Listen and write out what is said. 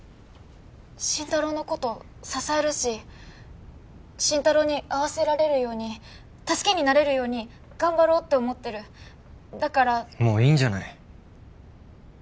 真太郎のこと支えるし真太郎に合わせられるように助けになれるように頑張ろうって思ってるだからもういいんじゃない？